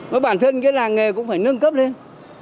và bản thân cái làng nghề cũng phải nâng cấp lên